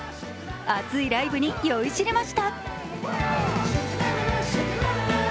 熱いライブに酔いしれました。